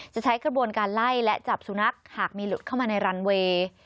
ใช้กระบวนการไล่และจับสุนัขหากมีหลุดเข้ามาในรันเวย์